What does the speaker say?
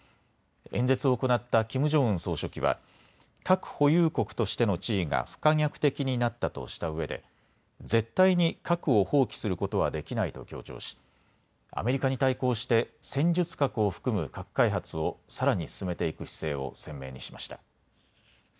演説を行ったキム・ジョンウン総書記は核保有国としての地位が不可逆的になったとしたうえで絶対に核を放棄することはできないと強調しアメリカに対抗して戦術核を含む核開発をさらに進めていく姿勢を鮮明にしました。